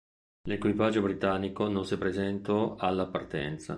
L'equipaggio britannico non si presento alla partenza.